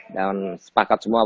dan sepakat semua